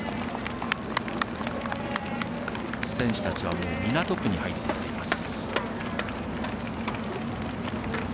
選手たちは港区に入ってきています。